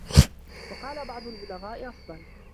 وَقَالَ بَعْضُ الْبُلَغَاءِ أَفْضَلُ